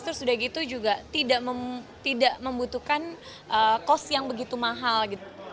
terus sudah gitu juga tidak membutuhkan kos yang begitu mahal gitu